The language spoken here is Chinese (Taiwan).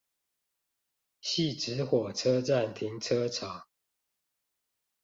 汐止火車站停車場